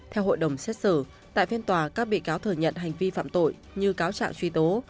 theo hội đồng xét xử tại phiên tòa các bị cáo thừa nhận hành vi phạm tội như cáo trạng truy tố